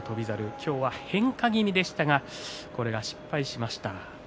今日は変化気味でしたがこれが失敗しました。